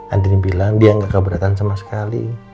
andin bilang dia gak keberatan sama sekali